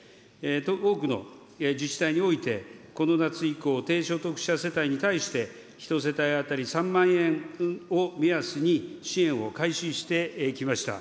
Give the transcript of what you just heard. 多くの自治体において、この夏以降、低所得者世帯に対して、１世帯当たり３万円を目安に支援を開始してきました。